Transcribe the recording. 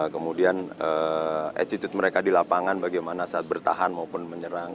kemudian attitude mereka di lapangan bagaimana saat bertahan maupun menyerang